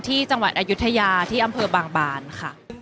ที่จังหวัดอายุทยาที่อำเภอบางบานค่ะ